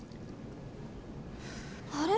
あれ？